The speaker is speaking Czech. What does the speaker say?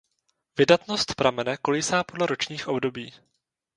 Vydatnost pramene kolísá podle ročních období.